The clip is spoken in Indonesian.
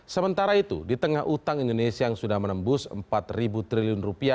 sementara itu di tengah utang indonesia yang sudah menembus rp empat triliun